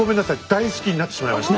大好きになってしまいました。